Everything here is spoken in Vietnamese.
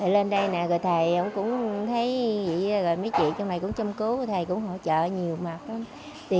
lên đây nè thầy cũng thấy mấy chị trong này cũng chăm cứu thầy cũng hỗ trợ nhiều mặt